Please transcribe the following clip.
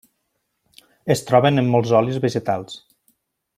Es troben en molts olis vegetals.